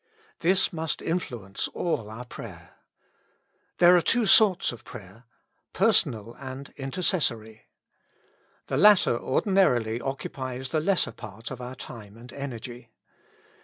This must influence all our prayer. There are two sorts of prayer : personal and intercessory. The latter ordinarily occupies the lesser part of our time and energy.